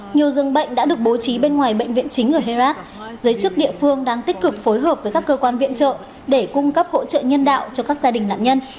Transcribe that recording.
nhiều dương bệnh đã được bố trí bên ngoài bệnh viện chính ở herat giới chức địa phương đang tích cực phối hợp với các cơ quan viện trợ để cung cấp hỗ trợ nhân đạo cho các gia đình nạn nhân